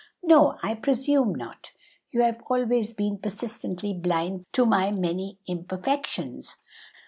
"No, I presume not; you have always been persistently blind to my many imperfections.